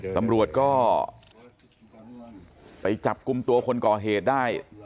ตำรวจก็ไปจับกลุ่มตัวคนก่อเหตุได้